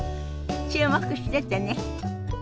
注目しててね。